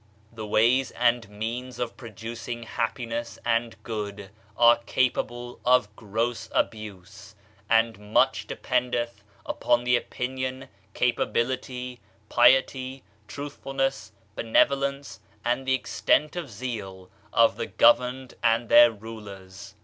The ways and means of producing happiness and good are capable of gross abuse; and much dependth upon the opinion, capability, piety, truthfulness, benevolence, and the extent of zeal of the governed and their rulers.